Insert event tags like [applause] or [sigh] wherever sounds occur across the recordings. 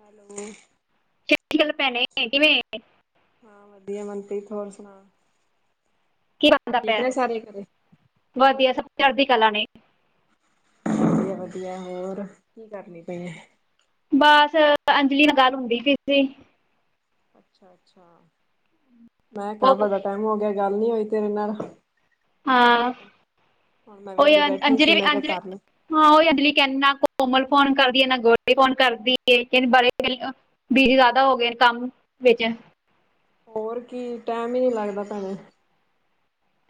Hello, ਗੱਲ ਭੈਣੇ ਕਿਵੇਂ, ਹਾਂ ਵਧੀਆ ਮਨਪ੍ਰੀਤ, ਹੋਰ ਸੁਣਾ? ਠੀਕ ਨੇ [unintelligible] ਸਾਰੇ ਘਰੇ? ਵਧੀਆ ਸਭ ਚੜ੍ਹਦੀ ਕਲਾ ਨੇ, ਵਧੀਆ ਹੋਰ ਕੀ ਕਰਨੀ ਪਈ ਹੈ। ਬਸ ਅੰਜਲੀ ਨਾਲ ਗੱਲ ਹੁੰਦੀ ਪਈ ਸੀ। ਅੱਛਾ, ਅੱਛਾ ਮੈਂ ਕਿਹਾ ਉਹ ਬੜਾ ਟਾਈਮ ਹੋ ਗਿਆ, ਗੱਲ ਨੀ ਹੋਈ ਤੇਰੇ ਨਾਲ। ਹਾਂ ਹੁਣ ਮੈਂ ਉਹ ਹੀ ਵਿਹਲੀ ਅੰ- ਬੈਠੀ ਅੰਜਲੀ ਸੀ ਵੀ- ਮੈਂ ਕਿਹਾ ਅੰਜਲੀ ਕਰਲਾ। ਹਾਂ ਉਹ ਅਗਲੀ ਕਹਿੰਦੇ ਨਾ ਕੋਮਲ ਫੋਨ ਕਰਦੀਏ, ਨਾ ਗੋਪੀ ਫੋਨ ਕਰਦੀ ਹੈ, ਕਹਿੰਦੇ ਬੜ ਵੀ ਇਰਾਦਾ ਹੋ ਗਏ ਤਾ ਭੇਜਾ, ਹੋਰ ਕੀ ਟੈਮ ਹੀ ਨਹੀ ਲੱਗਦਾ, ਭੈਣੇ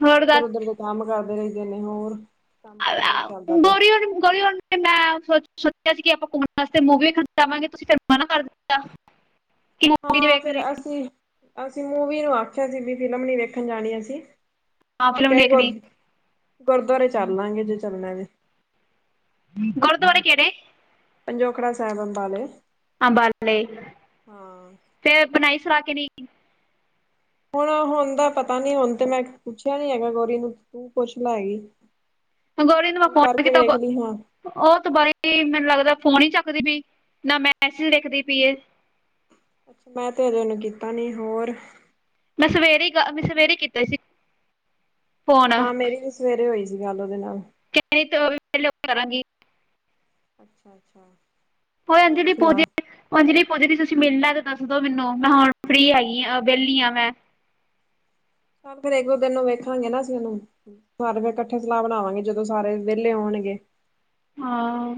ਹੋਰ ਦੱਸ ਇੱਧਰ-ਉਧਰ ਦੇ। ਕੰਮ ਕਰਦੇ ਰਹਿੰਦੇ ਨੇ ਹੋਰ, ਕੰਮ ਕਾਰ ਕਿਵੇਂ ਚੱਲਦਾ ਪਿਆ? [unintelligible] ਤੇ ਮੈਂ ਸ ਸੋਚਿਆ ਸੀ, ਕਿ ਆਪਾਂ ਘੁੰਮਣ ਵਾਸਤੇ ਮੂੰਵ ਵੀ ਖ ਜਾਵਾਂਗੇ ਤੁਸੀਂ ਫਿਰ ਮਨ ਕਰ ਦਿੱਤਾ। ਕਿ ਮੂਵੀ ਨਹੀਂ ਹਾਂ ਫਿਰ ਵੇਖਣੀ ਅਸੀਂ ਅਸੀਂ ਮੂਵੀ ਨੂੰ ਆਖਿਆ ਸੀ, ਵੀ ਫਿਲਮ ਨੀ ਵੇਖਣ ਜਾਣੀ ਅਸੀਂ। ਹਾਂ ਅਸੀਂ ਫਿਲਮ ਕਹਿ ਗੁਰ ਵੇਖਣੀ ਗੁਰਦੁਆਰੇ ਚੱਲ ਲਾਂਗੇ ਜੇ ਚੱਲਣਾ ਤੇ, ਗੁਰਦੁਆਰੇ ਕਿਹੜੇ, ਪੰਜੋਖੜਾ ਸਾਹਿਬ ਅੰਬਾਲੇ, ਉਬਾਲ਼ ਕੇ ਹਾਂ। ਫੇਰ ਬਣਾਈ ਸੁਰਾ ਕੇ ਨਹੀਂ। ਹੁਣ ਹੁਣ ਦਾ ਪਤਾ ਨੀ ਹੁਣ ਤੇ ਮੈਂ ਪੁੱਛਿਆ ਨੀ ਹੈਗਾ ਗੋਰੀ ਨੂੰ ਤੂੰ ਪੁੱਛ ਲੈਗੀ ਈ। ਗੌਰੀ ਨੂੰ ਮੈਂ ਫੋਨ ਆ ਤਬ। ਲਈ ਹਾਂ ਉਹ ਤੋਂ ਬਾਰੇ ਮੈਨੂੰ ਲੱਗਦਾ ਫੋਨ ਹੀ ਨੀ ਚੱਕਦੀ ਪਈ ਨਾ ਮੈਸੇਜ ਦੇਖਦੀ ਪਈ ਏ। ਅੱਛਾ ਮੈਂ ਤੇ ਹਜੋਂ, ਉਹਨੂੰ ਕੀਤਾ ਨੀ ਹੋਰ? ਮੈਂ ਸਵੇਰੇ ਮੈਂ ਸਵੇਰੇ ਹੀ ਕੀਤਾ ਸੀ। ਫੋਨ ਹਾਂ ਮੇਰੀ ਵੀ ਸਵੇਰੇ ਹੋਈ ਸੀ, ਗੱਲ ਉਹਦੇ ਨਾਲ ਕਣੀ ਤੇ ਵੀ ਪਲੇ ਉਹ ਕਰਾਂਗੀ। ਅੱਛਾ, ਅੱਛਾ। ਹੋ ਹੋਰ ਅੰਜਲੀ ਪੁਦੀ, ਸੁਣਾ ਹਜੀ ਪੁਜ ਦੀ ਤੁਸੀਂ ਮਿਲਣਾ ਤੇ ਦੱਸ ਦੋ ਮੈਨੂੰ, ਮੈਂ ਹੁਣ ਫ੍ਰਰੀ ਹੈਗੀ ਆ ਵਿਹਲੀ ਆ ਮੈਂ ਚੱਲ ਫੇਰ ਇੱਕੋ ਦਿਨ ਨੂੰ ਵੇਖਾਂਗੇ, ਨਾ ਅਸੀਂ ਉਹਨੂੰ ਫਿਰ ਇਕੱਠੇ ਸਲਾਹ ਬਣਾਵਾਂਗੇ, ਜਦੋਂ ਸਾਰੇ ਵਿਹਲੇ ਹੋਣਗੇ। ਹਾਂ,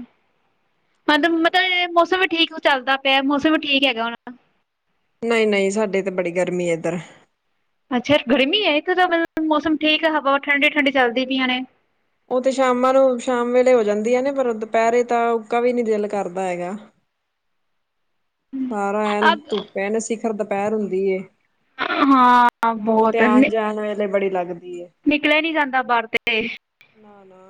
ਮਤ ਮਤਲਬ ਮੌਸਮ ਵੀ ਠੀਕ, ਚੱਲਦਾ ਪਿਆ ਮੌਸਮ ਠੀਕ ਹੈਗਾ ਹੁਣ। ਨਹੀਂ ਨਹੀਂ ਸਾਡੇ ਤੇ ਬੜੀ ਗਰਮੀ ਹੈ ਇੱਧਰ। ਅੱਛਾ ਗਰਮੀ ਹੈ ਇੱਥ ਤਾਂ ਮਤਬ ਮੌਸਮ ਠੀਕ ਹਵਾ ਠੰਡੀ ਠੰਡੀ ਚੱਲਦੀ ਪਈਆਂ ਨੇ। ਉਹ ਤੇ ਸ਼ਾਮਾਂ ਨੂੰ ਸ਼ਾਮ ਵੇਲੇ ਹੋ ਜਾਂਦੀਆ ਨੇ ਪਰ ਦੁਪਹਿਰੇ ਤਾਂ ਉੱਕਾ ਵੀ ਨੀ ਦਿਲ ਕਰਦਾ ਹੈਗਾ। ਸਾਰਾ ਐਨ ਅ ਧੁੱਪ ਐਨ ਸਿਖਰ ਦੁਪਹਿਰ ਹੁੰਦੀ ਏ। ਹਾਂ। ਕਿੱਤੇ ਬਹੁਤ ਆਉਣ ਜਾਣ ਵੇਲੇ ਬੜੀ ਲੱਗਦੀ ਏ। ਨਿਕਲਿਆ ਨੀ ਜਾਂਦਾ ਬਾਹਰ ਕਿੱਤੇ। ਨਾ, ਨਾ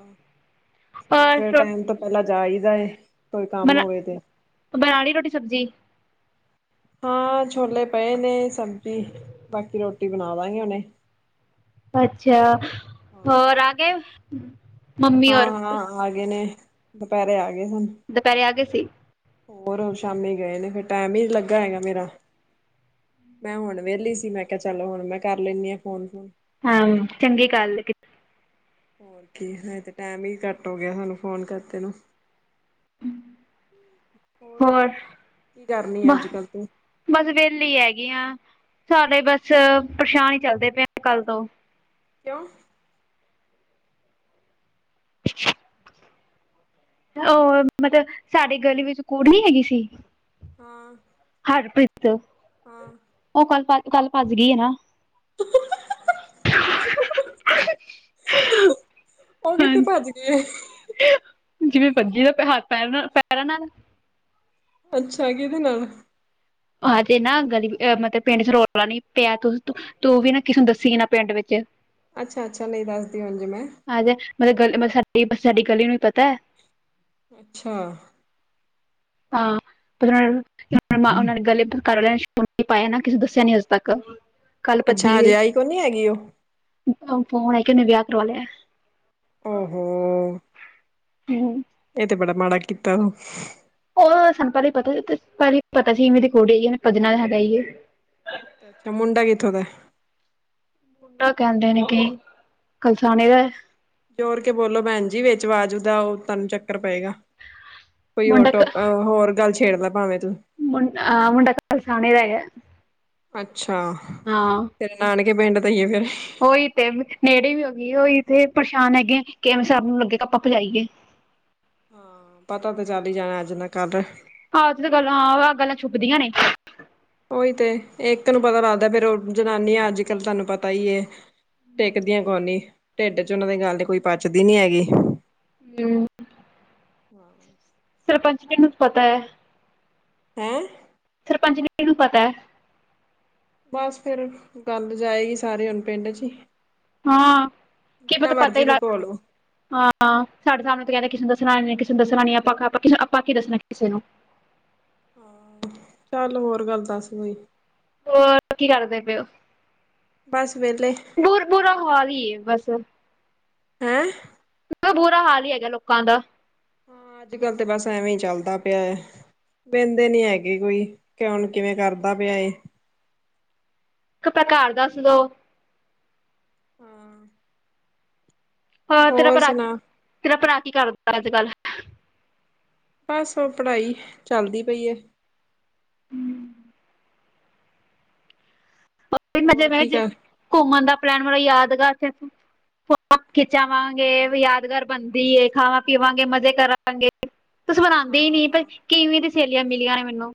ਸਵੇਰ ਸਵੇਰੇ ਔਰ ਟਾਈਮ ਤੋਂ। ਪਹਿਲਾਂ ਜਾ ਆਈਦਾ ਏ ਕੋਈ ਕੰਮ ਬਣਾ ਹੋਵੇ ਤੇ। ਬਣਾ ਲਈ ਰੋਟੀ ਸਬਜ਼ੀ? ਹਾਂ ਛੋਲੇ ਪਏ ਨੇ ਸਬਜ਼ੀ ਬਾਕੀ ਰੋਟੀ ਬਣਾ ਦਾਗੇ ਹੀ ਹੁਣੇ। ਅੱਛਾ, ਹੋਰ ਆਗੇ? ਹਾਂ, ਹਾਂ ਆ ਗਏ ਨੇ ਦੁਪਹਿਰੇ ਆ ਗਏ ਸਨ। ਦੁਪਹਿਰੇ ਆ ਗਏ ਸੀ? ਹੋਰ ਸ਼ਾਮੀ ਗਏ ਨੇ ਫਿਰ ਟੈਮ ਹੀ ਲੱਗਾ ਹੈਗਾ ਮੇਰਾ। ਮੈਂ ਹੁਣ ਵਿਹਲੀ ਸੀ। ਮੈਂ ਕਿਹਾ ਚਲੋ ਹੁਣ ਮੈਂ ਕਰ ਲੈਦੀ ਹਾਂ ਫੋਨ ਫੂਨ। ਹਾਂ ਚੰਗੀ ਗੱਲ ਏ। ਹਜੇ ਤੇ ਟਾਈਮ ਹੀ ਘੱਟ ਹੋ ਗਿਆ ਸਾਨੂੰ ਫੋਨ ਕਰਦੇ ਨੂੰ। ਹੋਰ, ਕੀ ਕਰਨੀ ਆ ਬ ਅੱਜ ਕੱਲ੍ਹ ਤੂੰ? ਬਸ ਵਿਹਲੀ ਹੈਗੀ ਆ, ਸਾਡੇ ਬਸ ਪਰੇਸ਼ਾਨ ਹੀ ਕਰਦੇ ਪਏ ਆ ਕੱਲ ਤੋਂ। ਕਿਉਂ? [unintelligible] ਉਹ ਹੈਲੋ ਮਤਲਬ ਸਾਡੇ ਗਲੀ ਵਿੱਚ ਕੂੜ ਨੀ ਹੈਗੀ ਸੀ। ਹਾਂ। ਹਰਪ੍ਰੀਤ ਉਹ ਕੱਲ ਕੱਲ ਭੱਜ ਗਈ ਹੈ ਨਾ। [unintelligible] ਉਹ ਕਿੱਥੇ ਹਾਂਜੀ ਭੱਜ ਗਏ? ਜਿਵੇਂ ਭੱਜੀ ਦਾ ਹੱਥ ਪੈਰ ਪੈਰ ਨਾਲ। ਅੱਛਾ ਕਿਹਦੇ ਨਾਲ? ਹਜੇ ਨਾ ਗਲੀ ਅ ਮਤਲਬ ਪਿੰਡ ਚ ਰੋਲਾ ਨੀ ਪਿਆ। ਤੂੰ ਵੀ ਨਾ ਕਿਸੇ ਨੂੰ ਦੱਸੀ ਨਾ ਪਿੰਡ ਵਿੱਚ। ਅੱਛਾ ਅੱਛਾ ਨਹੀਂ ਦੱਸਦੀ ਹੁਣ ਜੇ ਮੈਂ। ਹਜੇ ਮਤਲਬ ਗਲੀ ਮਤਲਬ ਸਾਡੀ ਸਾਡੀ ਗਲੀ ਨੂੰ ਵੀ ਪਤਾ ਹੈ? ਅੱਛਾ। ਹਾਂ ਪਰਿੰਟ, ਕੀ ਔ ਨਾਨੇ ਪਹਿਲੇ ਤਾਂ ਘਰ ਵਾਲਿਆਂ ਨੇ ਸ਼ਗਨ ਨਹੀ ਪਾਇਆ ਨਾ, ਕਿਸੇ ਦੱਸਿਆ ਨੀ ਅੱਜ ਤੱਕ। ਕੱਲ ਭੱਜੀ ਅੱਛਾ ਏ, ਹਜੇ ਆਈ ਕੋਨੀ ਹੈਗੀ ਉਹ ਫੋਨ ਆਈ, ਕਿ ਉਨੇ ਵਿਆਹ ਕਰਵਾ ਲਿਆ ਐ। ਔ ਹੋ, ਔ ਹੋ ਹੂ ਇਹ ਤੇ ਬੜਾ ਮਾੜਾ ਕੀਤਾ ਉਹ। ਉਹ ਸਾਨੂੰ ਪਹਿਲੇ ਹੀ ਪਤਾ ਸੀ ਪਹਿਲੇ ਪਤਾ ਸੀ ਮੇਰੀ ਕੁੜੀ ਆ ਭਜਨਾ ਤਾਂ ਹੈਗਾ ਹੀ ਆ। ਤੇ ਮੁੰਡਾ ਕਿੱਥੋਂ ਦਾ ਏ? ਪਾਪਾ ਕਹਿੰਦੇ ਨੇ ਕੀ ਕਲਸਾਨੇ ਦਾ ਏ। ਜੋਰ ਕੇ ਬੋਲੋ ਭੈਣ ਜੀ ਵਿੱਚ ਆਵਾਜ਼ ਦਾ ਉਹ ਤੁਹਾਨੂੰ ਚੱਕਰ ਪਏਗਾ ਕੋਈ ਹੋਰ ਮੁੰਡਾ ਟੋਪਿਕ। ਹੋਰ ਗੱਲ ਛੇੜ ਲੈ ਭਾਵੇਂ ਤੂੰ। ਮੁੰਡਾ ਕਰਸਾਨੇ ਦਾ ਹੈਗਾ। ਅੱਛਾ। ਹਾਂ। ਤੇਰੇ ਨਾਨਕੇ ਪਿੰਡ ਦਾਈਏ ਫੇਰ। ਓਹੀ ਤੇ ਨੇੜੇ ਵੀ ਹੋ ਗਏ ਉਹੀ ਤੇ ਪਰੇਸ਼ਾਨ ਹੈਗੇ ਕਿਵੇਂ ਸਬ ਨੂੰ ਲੱਗੇ ਆਪਾਂ ਭਜਾਈਏ। ਹਾਂ, ਪਤਾ ਤੇ ਚੱਲ ਹੀ ਜਾਣਾ, ਅੱਜ ਨਾ ਕੱਲ। ਆਹ ਤੇ ਗੱਲਾਂ, ਆਹ ਗੱਲਾਂ ਛੁਪਦੀਆਂ ਨੇ। ਔ ਹੀ ਤੇ, ਇੱਕ ਨੂੰ ਪਤਾ ਲੱਗਦਾ, ਫਿਰ ਜਨਾਨਿਆਂ ਅੱਜ ਕੱਲ ਤੁਹਾਨੂੰ ਪਤਾ ਹੀ ਏ। ਟਿਕਦੀਆਂ ਕੋਈ ਨੀ, ਢਿੱਡ ਚ ਉਹਨਾਂ ਦੀ ਗੱਲ ਤੇ ਕੋਈ ਪਚਦੀ ਨੀ ਹੈਗੀ। ਹੂ ਹਾਂ ਸਰਪੰਚ ਨੇ ਨੂੰ ਪਤਾ ਹੈ। ਹੈਂ ਸਰਪੰਚ ਨੇ, ਕਿਨੂੰ ਪਤਾ ਐ। ਬਸ ਫਿਰ, ਗੰਲ ਜਾਏਗੀ ਸਾਰੇ ਹੁਣ ਪਿੰਡ ਚ ਹੀ। ਹਾਂ, ਕਿ ਜਿੰਨਾ ਪਤਾ, ਪਤਾ ਮਰਜ਼ੀ ਹੀ ਲੱਗ ਲਕੋ ਲੋ ਹਾਂ ਸਾਡੇ ਸਾਹਮਣੇ ਤੇ ਕਹਿੰਦੇ ਕਿਸੇ ਨੂੰ ਦੱਸਣਾ ਨ, ਕਿਸੇ ਨੂੰ ਦੱਸਣਾ ਨ, ਆਪਾਂ ਆਪ ਕਿਸ ਆਪਾਂ ਕੀ ਦੱਸਣਾ ਕਿਸੇ ਨੂੰ। ਚੱਲ, ਹੋਰ ਗੱਲ ਦੱਸ ਕੋਈ। ਹੋਰ, ਕੀ ਕਰਦੇ ਪਏ ਉਹ। ਬਸ ਵੇਹਲੇ। ਬੁਰ ਬੁਰਾ ਹਾਲ ਹੀ ਹੈ ਬਸ। ਹੈਂ ਬੁਰਾ ਹਾਲ ਹੀ ਹੈਗਾ, ਲੋਕਾਂ ਦਾ। ਹਾਂ ਅੱਜ ਕੱਲ ਤੇ ਬਸ ਐਵੇਂ ਹੀ ਚੱਲਦਾ ਪਿਆ ਹੈ। ਬਹਿੰਦੇ ਨੀ ਹੈਗੇ ਕੋਈ, ਕੋਣ ਕਿਵੇਂ ਕਰਦਾ ਪਿਆ ਐ। ਇੱਕ, ਪ੍ਰਕਾਰ ਦੱਸ ਦੋ। ਹਾਂ ਹਾ, ਤੇਰਾ ਹੋਰ ਭਰਾ, ਸੁਣਾ ਤੇਰਾ ਭਰਾ ਕੀ ਕਰਦਾ ਅੱਜ ਕੱਲ। ਬਸ ਉਹ ਪੜ੍ਹਾਈ, ਚੱਲਦੀ ਪਈ ਐ। ਫਿਰ ਮੈਂ ਜੇ, ਹੋਰ ਮੈਂ ਕੀ ਫਿਰ ਕਰ ਘੁੰਮਣ ਦਾ ਪਲੈਨ ਬਣਾਇਐ ਯਾਦਗਾਰ ਫਿਰ। ਫੋਟ ਖਿਚਾਵਾਂਗੇ, ਯਾਦਗਾਰ ਬਣਦੀ ਏ, ਖਾਵਾਂ ਪੀਵਾਂਗੇ ਮਜ਼ੇ ਕਰਾਂ ਗੇ, ਤੁਸੀਂ ਬਣਾਉਂਦੇ ਹੀ ਨੇ, ਪਰ ਹਾਂ-ਹਾਂ ਕਿਈਵੇਂ ਦੀ ਸਹੇਲੀਆਂ ਮਿਲੀਆਂ ਨੇ ਮੈਨੂੰ।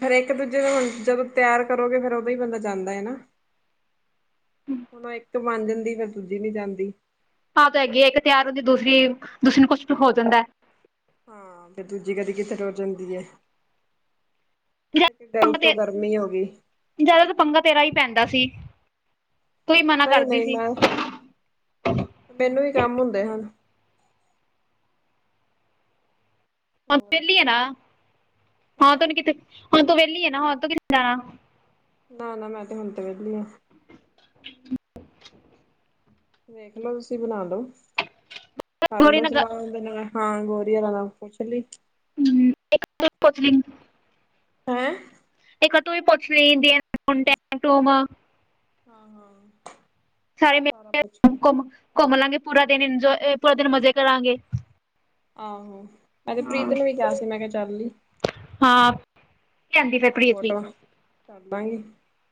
ਫਿਰ ਇੱਕ ਦੂਜੇ ਨੂੰ ਹੁਣ ਜਦੋਂ ਤਿਆਰ ਕਰੋਗੇ, ਫਿਰ ਉਦੋਂ ਹੀ ਬੰਦਾ ਜਾਂਦਾ ਐ ਨਾ। ਹੁਣ ਇੱਕ ਮਨ ਜਾਂਦੀ, ਫਿਰ ਦੂਜੀ ਨੀ ਜਾਂਦੀ। ਆਪ ਤੋਂ ਹੈਗੀ ਹੈ, ਇੱਕ ਤਿਆਰ ਹੁੰਦੀ, ਦੂਸਰੀ ਦੂਸਰੀ ਨੂੰ ਕੁਛ ਹੋ ਜਾਂਦਾ। ਹਾਂ, ਫਿਰ ਦੂਜੀ ਕਦੀ ਕਿਥੇ ਟੁਰ ਜਾਂਦੀ ਹੈ। ਤੇ ਡਲ ਤੋਂ ਗਰਮੀ ਹੋ ਗਈ। ਜ਼ਿਆਦਾ ਤਾਂ ਪੰਗਾ ਤੇਰਾ ਹੀ ਪੈਂਦਾ ਸੀ। ਤੂੰ ਹੀ ਮਨਾ ਨਹੀਂ ਕਰਦੀ ਨਹੀਂ ਸੀ ਮੈਂ, ਮੈਨੂੰ ਹੀ ਕੰਮ ਹੁੰਦੇ ਹਨ। ਹੁਣ ਤ ਹੋਰ ਵਹਲੀ ਆ ਨਾ ਹਾਂ ਹੈਂ ਤਨੂੰ ਕਿਥੇ ਹੁਣ ਤੂੰ ਵਿਹਲੀ ਹੈ ਨਾ ਹੁਣ ਤ ਕਿਥੇ ਜਾਣਾ। ਨਾ ਨਾ ਮੈਂ ਤੇ ਹੁਣ ਤੇ ਵਿਹਲੀ ਆ ਹਾਂ। ਵੇਖਲੋ ਤੁਸੀਂ ਬਣਾ ਲੋ, ਥੋੜੀ ਕਰਲੋ ਨਾ ਸਲਾਹ। ਨਾਲ ਹਾਂ ਗੋਰੀ ਵਾਲਾ ਪੁੱਛ ਲਈ। ਹਮ ਇੱਕ ਤੇ [unintelligible] ਹੈਂ ਇਹ ਤੂੰ ਪੁੱਛ ਲਈ ਮੁੰਡੇ [unintelligible] ਹਾਂ ਹਾਂ ਸਾਰੇ ਕਹਿੰਦੇ ਘੁੰਮ, ਘੁੰਮ ਲਾਂਗੇ ਪੂਰਾ ਦਿਨ ਇੰਜੋਯ ਜ ਪੂਰਾ ਦਿਨ ਮਜ਼ੇ ਕਰਾਂਗੇ। ਆਹੋ, ਮੈਂ ਤੇ ਪ੍ਰੀਤ ਨੂੰ ਵੀ ਕਿਹਾ ਸੀ, ਮੈਂ ਕਿਹਾ ਚੱਲ ਲਈ। ਹਾਂ ਕਹਿੰਦੀ ਫਿਰ ਪ੍ਰੀਤ ਵੀ ਫੋਟੋਆਂ ਬਈ,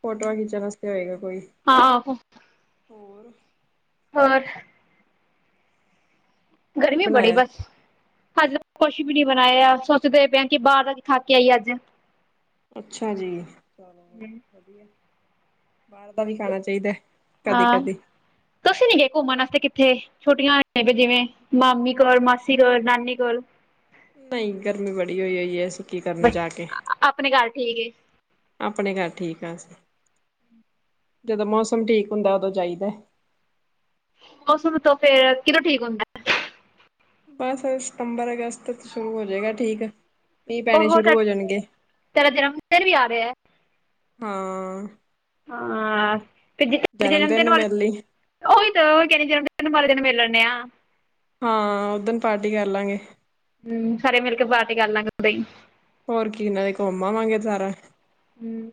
ਫੋਟੋਆਂ ਖਿੱਚਣ ਵਾਸਤੇ ਹੋਏਗਾ ਕੋਈ। ਹਾਂ ਹੋਰ ਹੋਰ ਕੀ ਗਰਮੀ ਬੜੀ ਬਣਾਇਆ ਬਸ, ਅੱਜ। ਕੁਛ ਵੀ ਨੀ ਬਣਾਇਆ ਸੋਚਦੇ ਪਏ ਕਿ ਬਾਹਰ ਦਾ ਖਾ ਕੇ ਆਈ ਅੱਜ। ਅੱਛਾ ਜੀ, ਬਾਹਰ ਹਮ। ਦਾ ਵੀ ਖਾਣਾ ਚਾਹੀਦਾ। ਕਦੀ ਹਾਂ, ਕਦੀ ਤੁਸੀਂ ਨੀ ਗਏ ਘੁੰਮਣ ਵਾਸਤੇ ਕਿੱਥੇ? ਛੋਟੀਆਂ ਹੈਗੀਆ ਜਿਵੇਂ ਮਾਮੀ ਕੋਲ ਮਾਸੀ ਕੋਲ ਨਾਨੀ ਕੋਲ। ਨਹੀਂ ਗਰਮੀ ਬੜੀ ਹੋਈ ਪਈ ਹੈ ਅਸੀਂ ਕੀ ਕਰਨਾ ਜਾ ਕੇ। ਆਪਣੇ ਘਰ ਠੀਕ ਏ, ਆਪਣੇ ਘਰ ਠੀਕ ਹਾਂ ਅਸੀਂ, ਜਦੋਂ ਮੌਸਮ ਠੀਕ ਹੁੰਦਾ ਉਦੋਂ ਜਾਈਦਾ। ਮੌਸਮ ਤੋਂ ਫੇਰ ਕਿਦੋਂ ਠੀਕ ਹੁੰਦਾ। ਬਸ ਸਤੰਬਰ ਅਗਸਤ ਸ਼ੁਰੂ ਹੋ ਜਾਏਗਾ ਠੀਕ। ਮੀਂਹ ਪੈਣੇ ਬਹੁਤ, ਸ਼ੁਰੂ ਹੋ ਜਾਣਗੇ ਤੇਰਾ ਜਨਮਦਿਨ ਵੀ ਆ ਰਿਹਾ ਹੈ। ਹਾਂ। ਹਾਂ ਤੇ ਜਨਮ ਦਿਨ ਨੂੰ ਮਿਲ ਲਈ ਓਹੀ ਤੇ ਕਹਿ ਰਹੀਆ ਜਨਮਦਿਨ ਵਾਲੇ ਮਿਲ ਲੈਣੇ ਆ। ਹਾਂ, ਉਦਨ ਪਾਰਟੀ ਕਰ ਲਾਂਗੇ। ਹੂੰ, ਸਾਰੇ ਮਿਲ ਕੇ ਪਾਰਟੀ ਕਰਲਾਂਗੇ ਹੋਰ ਕੀ ਨਾਲੇ ਘੁੰਮ ਆਵਾਂਗੇ ਸਾਰਾ, ਹੂੰ,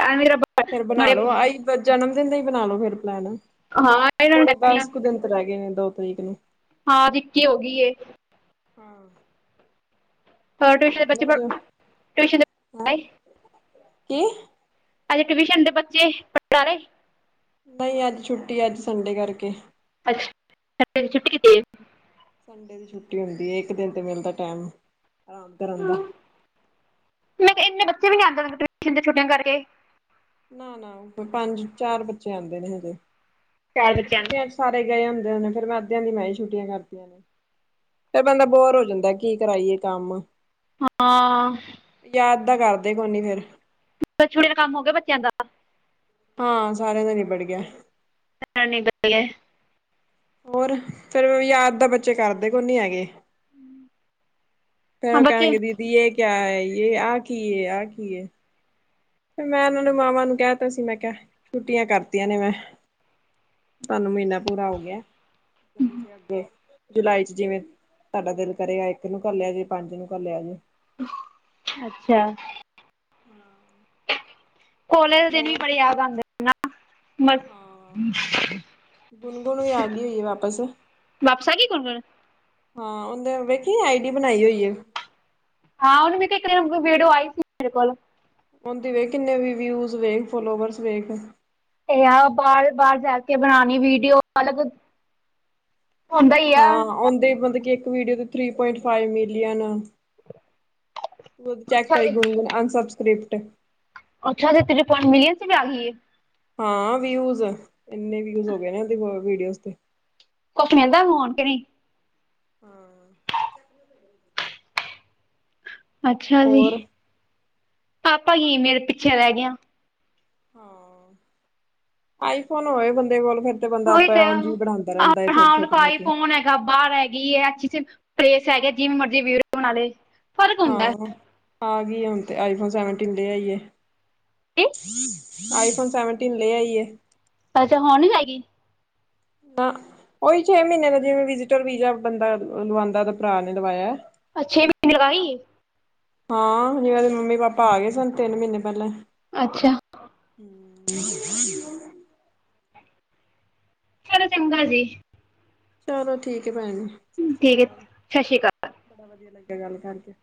ਇਹ ਵੀ ਫੇਰ ਬਣਾ ਲੋ ਆਈ ਜਨਮ ਦਿਨ ਦਾ ਹੀ ਬਣਾ ਲੋ ਫੇਰ ਪਲੈਨ, ਹਾਂ ਇਹਨਾਂ ਨੂੰ ਥੋੜੇ ਕਹਿੰਦੀ ਆ ਦਸ ਕੁ ਦਿਨ ਰਹਿ ਗਏ ਨੇ ਦੋ ਤਰੀਕ ਨੂੰ। ਹਾਂ, ਅੱਜ ਇਕੀ ਹੋ ਗਈ ਏ। ਹਾਂ। ਹਾਂ, ਟਿਊਸ਼ਨ ਦੇ ਬੱਚੇ ਜੋ ਪੜੜੈਟਿਊਸ਼ਨ ਹੈਂ ਦੇ ਕੀ? ਅੱਜ ਟਿਊਸ਼ਨ ਦੇ ਬੱਚੇ ਪੜਾਲੇ? ਨਹੀਂ ਅੱਜ ਛੁੱਟੀ ਅੱਜ ਸੰਡੇ ਕਰਕੇ। ਅੱਛਾ, ਅੱਜ ਸੰਡੇ ਦੀ ਛੁੱਟੀ ਕੀਤੀ ਏ। ਸੰਡੇ ਦੀ ਛੁੱਟੀ ਹੁੰਦੀ ਹੈ ਇੱਕ ਦਿਨ ਤੇ ਮਿਲਦਾ ਟਾਈਮ ਆਰਾਮ ਕਰਨ ਦਾ। ਮੈਂ ਕਿਹਾ ਇੰਨੇ ਬੱਚੇ ਵੀ ਨੀ ਆਦੇ ਟਿਊਸ਼ਨ ਦੀ ਛੁਟੀਆਂ ਕਰਕੇ। ਨਾ, ਨਾ, ਪੰਜ ਚਾਰ ਬੱਚੇ ਆਉਂਦੇ ਨੇ ਹਜੇ, ਚਾਰ ਬੱਚਿਆਂ ਨੂੰ ਛੁੱਟੀਆਂ ਸਾਰੇ ਗਏ ਹੁੰਦੇ ਨੇ ਫਿਰ ਮੈਂ ਅੱਧਿਆਂ ਦੀ ਮੈਂ ਹੀ ਛੁਟੀਆਂ ਕਰਦੀਆਂ ਨੇ। ਫੇਰ ਬੰਦਾ ਬੋਰ ਹੋ ਜਾਂਦਾ ਕੀ ਕਰਾਈਏ ਕੰਮ। ਹਾਂ। ਯਾਦ ਤਾਂ ਕਰਦੇ ਕੋ ਨੀ ਫੇਰ। ਛੁੱਟੀਆਂ ਦਾ ਕੰਮ ਹੋ ਗਿਆ ਬੱਚਿਆਂ ਦਾ। ਹਾਂ, ਸਾਰਿਆਂ ਦਾ ਨਿਬੜ ਗਿਆ [unintelligible] ਹੋਰ ਫੇਰ ਵੀ ਯਾਦ ਤਾਂ ਬੱਚੇ ਕਰਦੇ ਕੋ ਨ ਹੈਗੇ। ਹਾਂ ਫੈ ਬੱਚੇ ਕਹਿਣਗੇ ਦੀਦੀ ਇਹ ਕਿਆ ਹੈ ਯ ਆ ਕੀ ਹੈ ਆ ਕੀ ਹੈ ਫ ਮੈਂ ਉਹਨਾਂ ਨੂੰ ਮਾਵਾਂ ਨੂੰ ਕਹਿ ਦਿੱਤਾ ਸੀ ਮੈਂ ਕਿਹਾ ਛੁੱਟੀਆਂ ਕਰਤੀਆਂ ਨੇ ਮੈਂ ਤੁਹਾਨੂੰ ਮਹੀਨਾ ਪੂਰਾ ਹੋਗ ਗਿਆ ਤੁਸੀਂ ਅੱਗੇ ਜੁਲਾਈ ਚ ਜਿਵੇਂ ਸਾਡਾ ਦਿਲ ਕਰੇਗਾ ਇੱਕ ਨੂੰ ਕਰ ਲਿਆ ਜੇ ਪੰਜ ਨੂੰ ਕਰ ਲਿਆ ਜੇ। ਅੱਛਾ। ਹਾਂ। ਕੋਲੇਜ ਦੇ ਦਿਨ ਵੀ ਬੜੇ ਯਾਦ ਆਉਦੇ ਹਾਂ, ਗੁਣਗੁਣ ਵੀ ਆ ਗਈ ਹੋਈ ਹੈ ਵਾਪਿਸ। ਵਾਪਸ ਆ ਗੲੀ ਗੁਣਗੁਣ? ਹਾਂ, ਉਹਦੇ ਵੇਖੀ ਆਈ ਡੀ ਬਣਾਈ ਹੋਈ ਆ। ਹਾਂ ਉਹਨੂੰ ਮੇ ਕਿਹਾ ਇੱਕ ਦਿਨ ਵੀੜੀਓ ਆਈ ਸੀ ਮੇਰੇ ਕੋਲ। ਹੁੰਦੀ ਵੇਖ ਕਿੰਨੇ ਵੀ ਵਿਊਜ਼ ਵੇਖ ਫੋਲੋਵਰਸ ਵੇਖ ਇਹ ਆ ਬਾਹਰ ਬਾਹਰ ਜਾ ਕੇ ਬਣਾਉਣੀ ਵੀਡੀਓ ਅਲਗ ਹਾਂ ਓਦੇ ਮਤਲਬ ਇੱਕ ਵੀਡੀਓ ਤੇ three point five million check ਅੱਛਾ ਕਰੀ ਗੁਣਗੁਨ ਅਨਸਬਸਕ੍ਰਿਪਟ ਅੱਛਾ ਜ ਤ ਪਇੰਟ ਮਿਲਅਨ ਸੀ ਵੀ ਆ ਗਏ ਹਾਂ ਵਿਊਜ ਇੰਨੇ ਵਿਊਜ ਹੋ ਗਏ ਨੇ ਉਹਦੇ ਵੀਡੀਓਜ਼ ਤੇ ਕੁਛ ਮਹਿੰਦਾਣ ਕੇ ਨਹੀਂੀ ਹਾਂ ਅੱਛਾ ਜੀ ਹੋਰ ਆਪਾਂ ਹੀ ਮੇਰੇ ਪਿੱਛੇ ਰਹਿ ਗ ਹਾਂ ਆਈਫੋਨ ਹੋਏ ਬੰਦੇ ਕੋਲ ਫਿਰ ਤੇ ਬੰਦਾ ਉਹੀ ਆਪਾਂ ਤੇ ਉਝ ਵੀ ਬਣਾਉਂਦਾ ਰਹਿੰਦਾ ਹੈ ਹਾਂ ਥੋੜੀ ਹੁਣ ਛੋਟੀ ਆਈ ਮੋਟੀ ਫੋਨ ਹੈਗਾ ਬਾਹਰ ਹੈਗੀਈ ਹੈ। ਕਿਸੇ ਪ੍ਰੇਸ ਹੈਗੇ ਜਿਵੇਂ ਮਰਜ਼ੀ ਵਿਊਰੋ ਬਣਾ ਲਏ ਫ਼ਰਕ ਹੁੰਦਾ ਹਹ ਆ ਗਈ ਹੁਣ ਤੇ ਆਈਫੋਨ ਸੈਵਨਟੀਨ ਲ ਆਈਏ ਆਈਫੋਨ ਸੈਵਨਟੀਨ ਲੈ ਆਈ ਅੱਛਾ ਹੋਣ ਨੀ ਜਾਏਗੀ ਉਹੀ ਛੇ ਮਹੀਨੇ ਦਾ ਜਿਵੇਂ ਵਿਜ਼ਿਟਰ ਵੀਜ਼ਾ ਬੰਦਾ ਲਵਾਉਂਦਾ ਭਰਾ ਨੇ ਲਵਾਇਆ। ਅੱਛੇ ਮਿਨੇ ਲਵਿ ਗਈ ਏ ਹਾਂ ਜੇ ਉਹਰੇ ਮੰਮੀ ਪਾਪਾ ਆ ਗਏ ਸਨ ਤਿੰਨ ਮਹੀਨੇ ਪਹਿਲਾਂ ਅੱਛਾ ਜੀੀ ਚਲੋ ਚੰਗਾ ਜੀ ਚਲੋ ਠੀਕ ਹੈ ਭੈਣੀ ਸਤ ਸ੍ਰੀ ਠੀਕ ਹੈ ਅਕਾਲ ਸਤਿ ਸ਼੍ਰੀ ਅਕਾਲ ਬੜਾ ਵਧੀਆ ਲੱਗਿਆ ਗੱਲ ਕਰਕੇ